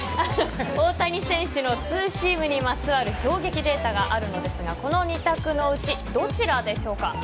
大谷選手のツーシームにまつわる衝撃データがあるんですがこの２択のうちどちらでしょうか？